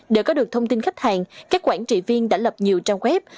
để có được thông tin khách hàng các quản trị viên đã lập nhiều trang web